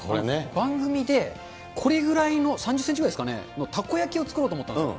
番組でこれぐらいの３０センチぐらいのですかね、たこ焼きを作ろうと思ったんですよ。